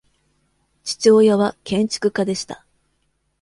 父親は建築家でした。